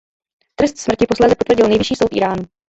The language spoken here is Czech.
Trest smrti posléze potvrdil Nejvyšší soud Íránu.